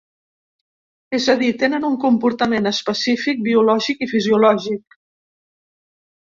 És a dir, tenen un comportament específic biològic i fisiològic.